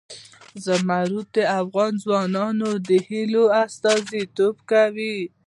زمرد د افغان ځوانانو د هیلو استازیتوب کوي.